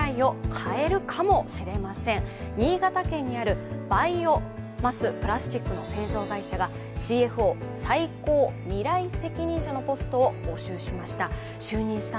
新潟県にあるバイオマスプラスチックの製造会社がＣＦＯ＝最高未来責任者のポストを募集しました。